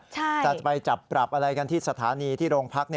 แต่จะไปจับปรับอะไรกันที่สถานีที่โรงพัก